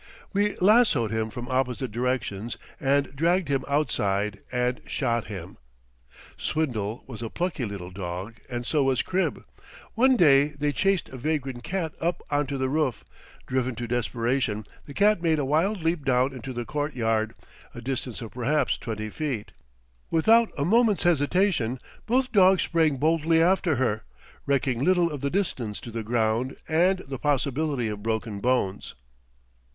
We lassoed him from opposite directions and dragged him outside and shot him. Swindle was a plucky little dog, and so was Crib; one day they chased a vagrant cat up on to the roof; driven to desperation, the cat made a wild leap down into the court yard, a distance of perhaps twenty feet; without a moment's hesitation, both dogs sprang boldly after her, recking little of the distance to the ground and the possibility of broken bones.